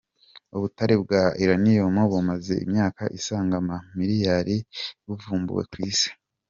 Ubutare bwa Uranium bumaze imyaka isaga amamiliyari buvumbuwe ku Isi.